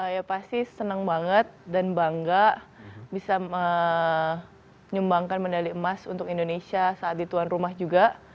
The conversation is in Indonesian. ya pasti senang banget dan bangga bisa menyumbangkan medali emas untuk indonesia saat dituan rumah juga